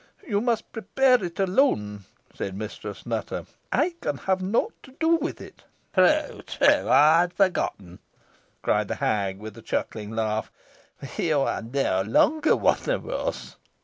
"You must prepare it alone," said Mistress Nutter; "I can have nought to do with it." "True true I had forgotten," cried the hag, with a chuckling laugh "you are no longer one of us.